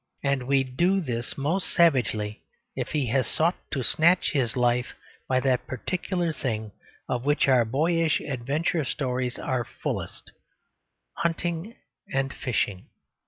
And we do this most savagely if he has sought to snatch his life by that particular thing of which our boyish adventure stories are fullest hunting and fishing.